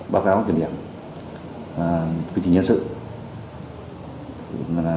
báo cáo tiền điểm quy trình nhân sự văn hóa